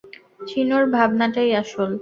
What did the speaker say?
চিনোর ভাবনাটাই আসল।